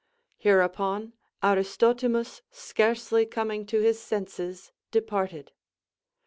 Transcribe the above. Hereupon Aristotimus scarcely coming to his senses departed.